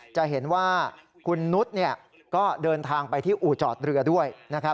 จะเห็นว่าคุณนุษย์ก็เดินทางไปที่อู่จอดเรือด้วยนะครับ